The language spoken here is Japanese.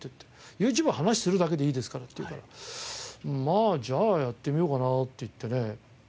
「ＹｏｕＴｕｂｅは話をするだけでいいですから」って言うから「まあじゃあやってみようかな」って言ってね。